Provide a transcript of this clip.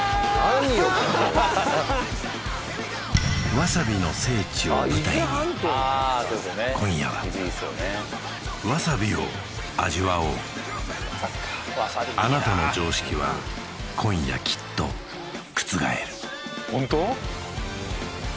わさびの聖地を舞台に今夜はわさびを味わおうあなたの常識は今夜きっと覆るホント！？